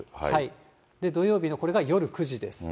土曜日のこれが夜９時です。